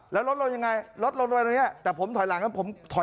แล้วลดลนอย่างไรลดลงมาแต่ผมถอยหลังเอ้ย